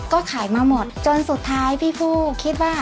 ก็ขายมาหมดจนสุดท้ายพี่ผู้คิดว่า